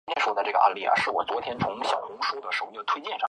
粗刺深虾蛄为深虾蛄科深虾蛄属下的一个种。